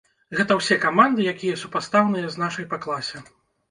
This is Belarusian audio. Гэта ўсе каманды, якія супастаўныя з нашай па класе.